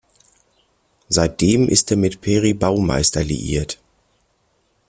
Seitdem ist er mit Peri Baumeister liiert.